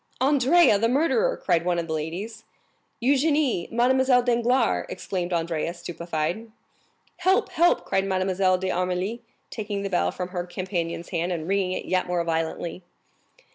"Andrea, the murderer!" cried one of the ladies. "Eugénie! Mademoiselle Danglars!" exclaimed Andrea, stupefied. "Help, help!" cried Mademoiselle d'Armilly, taking the bell from her companion's hand, and ringing it yet more violently.